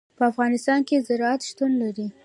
په افغانستان کې زراعت شتون لري.